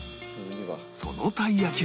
そのたい焼きは